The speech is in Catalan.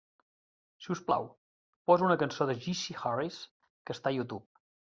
Si us plau, posa una cançó de Jesse Harris que està a Youtube.